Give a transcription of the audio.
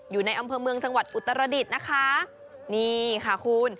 อยู่ในอำเภอเมืองจังหวัดอุตรดิษฐ์นะคะนี่ค่ะคุณ